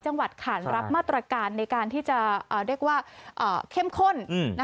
จังหวัดขานรับมาตรการในการที่จะเรียกว่าเข้มข้น